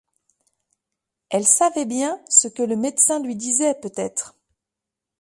Elle savait bien ce que le médecin lui disait, peut-être !